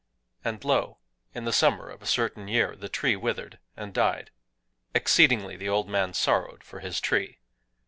And lo! in the summer of a certain year, the tree withered and died! Exceedingly the old man sorrowed for his tree.